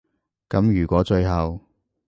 噉如果最後